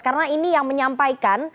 karena ini yang menyampaikan